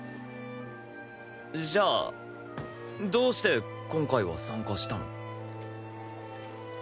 じゃあどうして今回は参加したの？